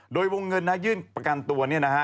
โดยวงเงินนะยื่นประกันตัวเนี่ยนะฮะ